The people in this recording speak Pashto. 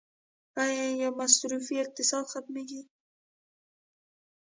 آیا مصرفي اقتصاد ختمیږي؟